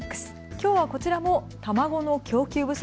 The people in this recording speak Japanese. きょうはこちらも卵の供給不足